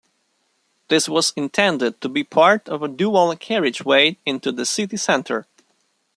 This was intended to be part of a dual carriageway into the city centre.